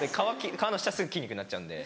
皮の下すぐ筋肉になっちゃうんで。